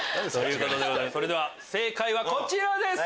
それでは正解はこちらです！